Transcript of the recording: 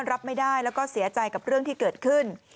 รับไม่ได้แล้วก็เสียใจกับเรื่องที่เกิดขึ้น